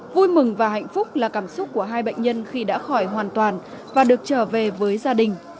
vui mừng và hạnh phúc là cảm xúc của hai bệnh nhân khi đã khỏi hoàn toàn và được trở về với gia đình